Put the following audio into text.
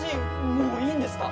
もういいんですか？